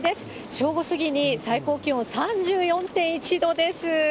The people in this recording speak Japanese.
正午過ぎに、最高気温３４．１度です。